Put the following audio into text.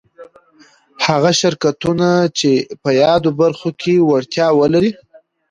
هغه شرکتونه چي په يادو برخو کي وړتيا ولري